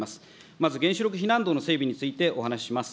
まず原子力避難道の整備についてお話します。